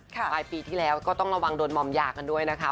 ปลายปีที่แล้วก็ต้องระวังโดนมอมยากันด้วยนะคะ